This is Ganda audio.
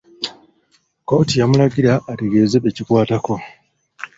Kkooti yamulagira ategeeze bekikwatako.